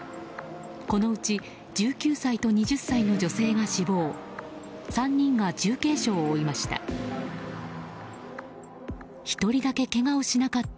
このうち１９歳と２０歳の女性が死亡３人は重軽傷を負いました。